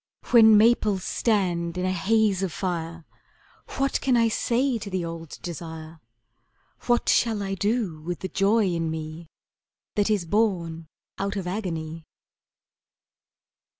When maples stand in a haze of fire What can I say to the old desire, What shall I do with the joy in me That is born out of agony?